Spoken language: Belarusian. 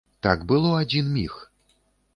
Так было адзін міг.